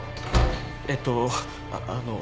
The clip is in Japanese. えっとあの。